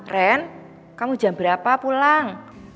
ren kamu jam berapa pulang